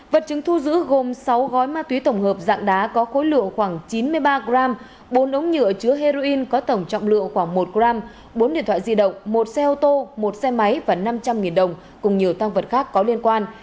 vật chứng thu giữ gồm sáu gói ma túy tổng hợp dạng đá có khối lượng khoảng chín mươi ba g bốn ống nhựa chứa heroin có tổng trọng lượng khoảng một g bốn điện thoại di động một xe ô tô một xe máy và năm trăm linh đồng cùng nhiều tăng vật khác có liên quan